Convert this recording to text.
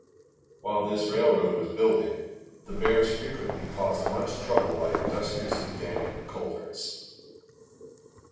While this railroad was building, the bears frequently caused much trouble by industriously damming the culverts.